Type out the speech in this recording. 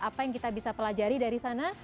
apa yang kita bisa pelajari dari sana